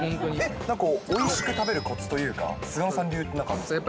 なんかおいしく食べるこつというか、菅野さん流ってなんかあるんですか？